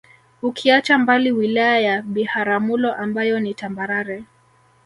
Ukiacha mbali Wilaya ya Biharamulo ambayo ni tambarare